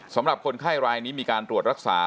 สำหรับคนไข้รายนี้มีการตรวจรักษา